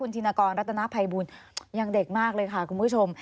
ธินกรรัตนภัยบูลยังเด็กมากเลยค่ะคุณผู้ชม